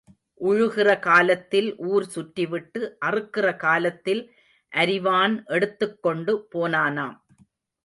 உழுகிற காலத்தில் ஊர் சுற்றிவிட்டு அறுக்கிற காலத்தில் அரிவான் எடுத்துக் கொண்டு போனானாம்.